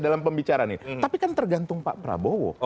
dalam pembicaraan ini tapi kan tergantung pak prabowo